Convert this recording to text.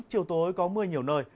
chiều tối có mưa nhiều nơi